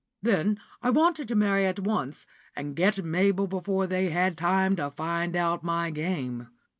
Then I wanted to marry at once, and get Mabel before they had time to find out my game.